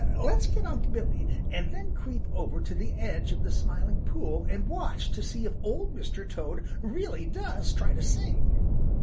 Let's get Unc' Billy, and then creep over to the edge of the Smiling Pool and watch to see if Old Mr. Toad really does try to sing."